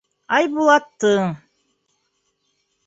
Айбулаттың: